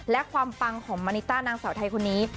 และความปังของมานิต้านางสาวไทยคนนี้